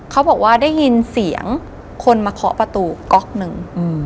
เขาบอกว่าได้ยินเสียงคนมาเคาะประตูก๊อกหนึ่ง